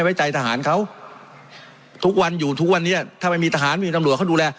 แบบทุกวันเนี่ยถ้าไปมีทหารมีธรรมดัวเขาดูแล